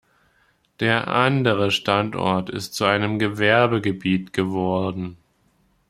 Der andere Standort ist zu einem Gewerbegebiet geworden.